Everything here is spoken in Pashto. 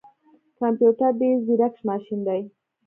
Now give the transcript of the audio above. کمپيوټر ډیر ځیرک ماشین دی